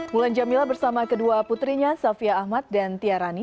mulan jamila bersama kedua putrinya safia ahmad dan tiarani